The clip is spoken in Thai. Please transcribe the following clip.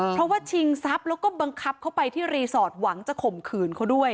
เพราะว่าชิงทรัพย์แล้วก็บังคับเขาไปที่รีสอร์ทหวังจะข่มขืนเขาด้วย